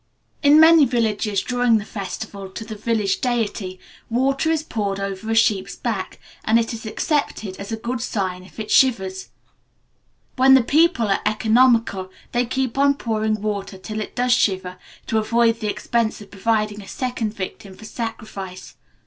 In many villages, during the festival to the village deity, water is poured over a sheep's back, and it is accepted as a good sign if it shivers. "When the people are economical, they keep on pouring water till it does shiver, to avoid the expense of providing a second victim for sacrifice.